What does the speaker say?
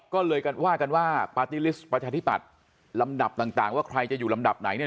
ก็เลยว่ากันว่าปาร์ตี้ลิสต์ประชาธิปัตย์ลำดับต่างว่าใครจะอยู่ลำดับไหนเนี่ย